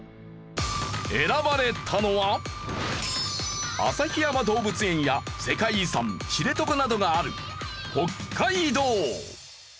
選ばれたのは旭山動物園や世界遺産知床などがある北海道。